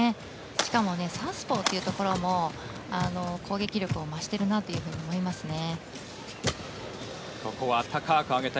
しかも、サウスポーというのも攻撃力を増しているなと思いますね。